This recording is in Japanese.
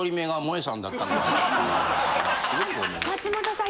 松本さん